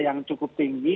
yang cukup tinggi